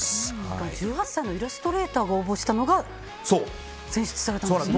１８歳のイラストレーターが応募したのが選出されたんですね。